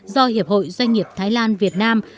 do hiệp hội doanh nghiệp thái lan việt nam